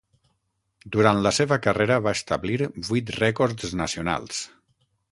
Durant la seva carrera va establir vuit rècords nacionals.